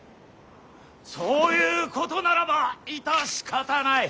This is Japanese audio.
そういうことならば致し方ない。